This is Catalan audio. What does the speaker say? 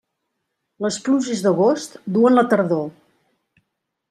Les pluges d'agost duen la tardor.